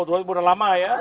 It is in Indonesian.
sudah tahu tapi sudah lama ya